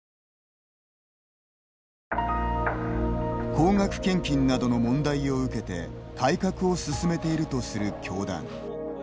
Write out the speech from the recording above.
高額献金などの問題を受けて改革を進めているとする教団。